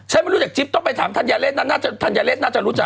ฉันไม่รู้จักจิปต้องไปถามธัญเลสน่าจะรู้จัก